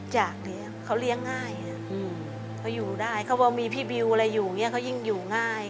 อยากเลี้ยงเขาเลี้ยงง่ายอ่ะเขาอยู่ได้เขาบอกมีพี่บิวอะไรอยู่เนี่ยเขายิ่งอยู่ง่าย